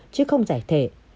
chứ không giải thể